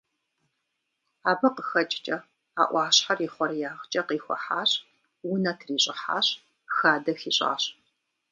Абы къыхэкӏкӏэ, а ӏуащхьэр и хъуреягъкӏэ къихухьащ, унэ трищӏыхьащ, хадэ хищӏащ.